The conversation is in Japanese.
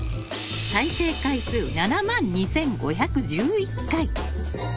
再生回数７万２５１１回。